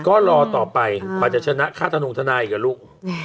ก็รอต่อไปกว่าจะชนะฆ่าธนูกธนาอีกกว่าลูก